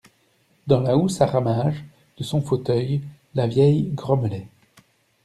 Dans la housse à ramages de son fauteuil, la vieille grommelait.